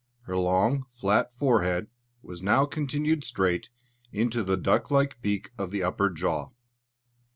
Her long, flat forehead was now continued straight into the strong duck like beak of the upper jaw.